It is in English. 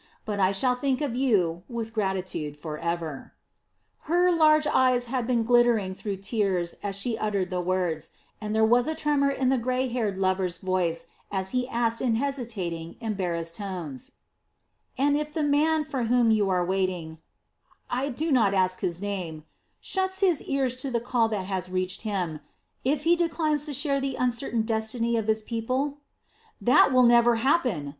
But I shall think of you with gratitude forever." Her large eyes had been glittering through tears as she uttered the words, and there was a tremor in the grey haired lover's voice as he asked in hesitating, embarrassed tones: "And if the man for whom you are waiting I do not ask his name shuts his ears to the call that has reached him, if he declines to share the uncertain destiny of his people?" "That will never happen!"